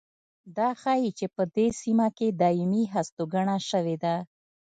دا ښيي چې په دې سیمه کې دایمي هستوګنه شوې ده.